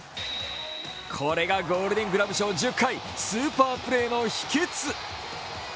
これがゴールデン・グラブ賞１０回スーパープレーの秘けつ。